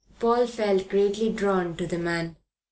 Paul felt greatly drawn to the man.